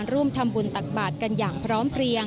กระชวนก็มาร่วมทำบุญตักบาทกันอย่างพร้อมเพลียง